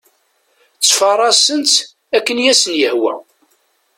Ttfarasen-tt akken i asen-yehwa.